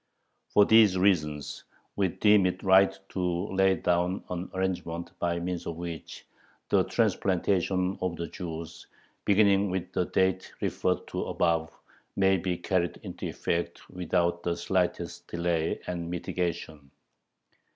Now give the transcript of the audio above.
For these reasons we deem it right to lay down an arrangement by means of which the transplantation of the Jews, beginning with the date referred to above, may be carried into effect, without the slightest delay and mitigation.